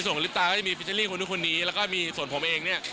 ในส่วนของลิฟตาก็จะมีฟิเจอร์ลิ่งคุณทุกนี้แล้วก็มีส่วนผมเองเนี่ย